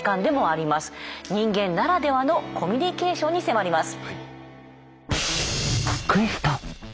人間ならではのコミュニケーションに迫ります。